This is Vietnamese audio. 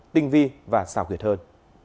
tinh vi và xào kiệt hơn